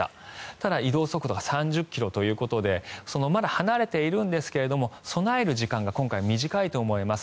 ただ、移動速度が３０ｋｍということでまだ離れているんですけれど備える時間が今回短いと思います。